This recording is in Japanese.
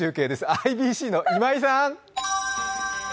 ＩＢＣの今井さん。